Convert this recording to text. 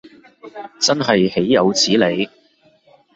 真係豈有此理